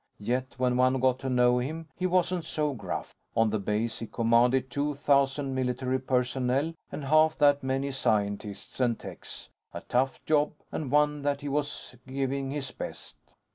Yet when one got to know him, he wasn't so gruff. On the base, he commanded two thousand military personnel and half that many scientists and techs: a tough job, and one that he was giving his best.